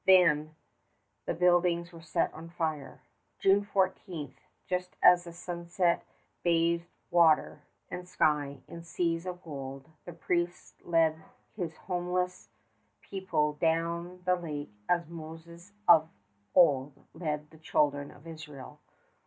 Then the buildings were set on fire. June 14, just as the sunset bathed water and sky in seas of gold, the priest led his homeless people down to the lake as Moses of old led the children of Israel.